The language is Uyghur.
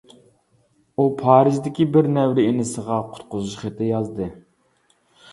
ئۇ پارىژدىكى بىر نەۋرە ئىنىسىغا قۇتقۇزۇش خېتى يازدى.